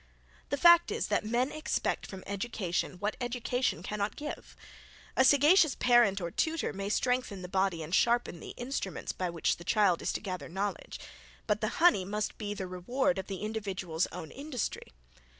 The fact is, that men expect from education, what education cannot give. A sagacious parent or tutor may strengthen the body and sharpen the instruments by which the child is to gather knowledge; but the honey must be the reward of the individual's own industry.